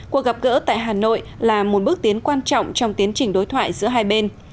cuộc gặp gỡ tại hà nội là một bước tiến quan trọng trong tiến trình đối thoại giữa hai bên